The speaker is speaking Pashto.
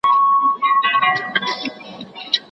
هغه د پلار د کور غم او خوشالي تل په خپل زړه کي ساتي.